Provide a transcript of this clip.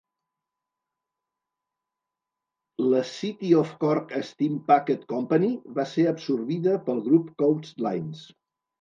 La City of Cork Steam Packet Company va ser absorbida pel grup Coast Lines.